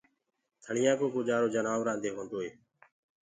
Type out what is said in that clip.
ٿݪيآ ڪو گُجآرو جنآورآنٚ دي هونٚدوئي